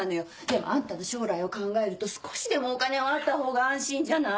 でもあんたの将来を考えると少しでもお金はあったほうが安心じゃない。